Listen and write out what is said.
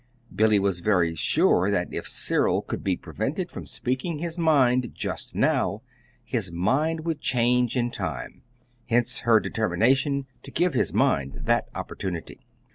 Billy was very sure that if Cyril could be prevented from speaking his mind just now, his mind would change in time; hence her determination to give his mind that opportunity.